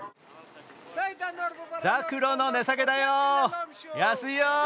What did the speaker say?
ザクロの値下げだよ、安いよ。